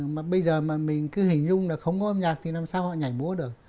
mà bây giờ mà mình cứ hình dung là không có âm nhạc thì làm sao họ nhảy múa được